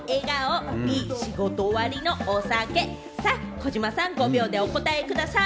児嶋さん、５秒でお答えください。